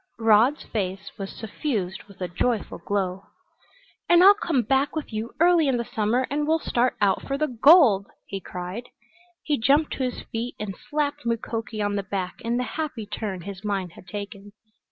Rod's face was suffused with a joyful glow. "And I'll come back with you early in the summer and we'll start out for the gold," he cried. He jumped to his feet and slapped Mukoki on the back in the happy turn his mind had taken.